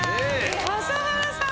笠原さん！